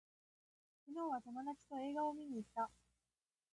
昨日は友達と映画を見に行った